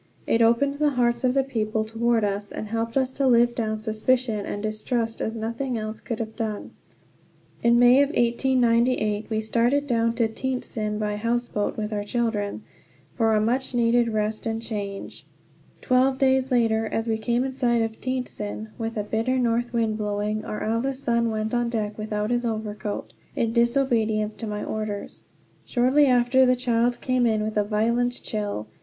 It opened the hearts of the people toward us, and helped us to live down suspicion and distrust as nothing else could have done. In May of 1898 we started down to Tientsin by houseboat, with our children, for a much needed rest and change. Cold, wet weather soon set in. Twelve days later, as we came in sight of Tientsin, with a bitter north wind blowing, our eldest child went on deck without his overcoat, in disobedience to my orders. Shortly after the child came in with a violent chill.